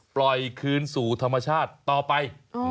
ปล่อยคืนสู่ธรรมชาติต่อไป